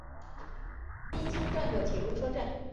滨松站的铁路车站。